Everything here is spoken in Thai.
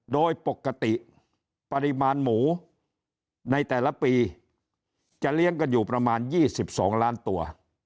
โดยปกติปริมาณหมูในแต่ละปีจะเลี้ยงกันอยู่ประมาณ๒๒ล้านตัว